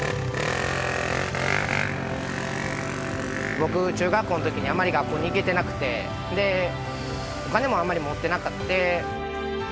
僕中学校の時にあんまり学校に行けてなくてお金もあんまり持ってなくて。